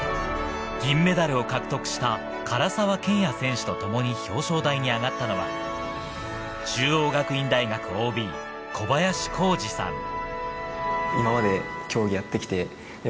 銀メダルを獲得した唐澤剣也選手とともに表彰台に上がったのは、中央学院大学ＯＢ・小林光二さん。